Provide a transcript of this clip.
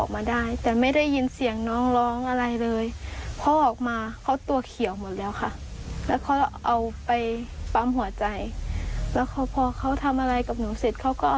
มีแบบนี้หนูไม่ต้องการหรอกพี่